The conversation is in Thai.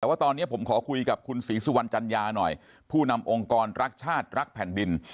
แต่ว่าตอนนี้ผมขอคุยกับคุณศรีสุวรรณจัญญาหน่อยผู้นำองค์กรรักชาติรักแผ่นดิน